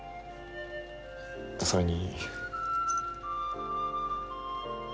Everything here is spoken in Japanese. それに。